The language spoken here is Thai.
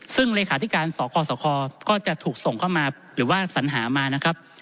ซึ่งเลขาธิการสคสคก็จะถูกส่งเข้ามาหรือว่าสัญหามานะครับ